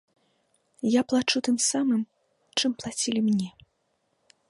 Я плачу тым самым, чым плацілі мне.